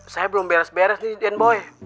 saya belum beres beres nih den boy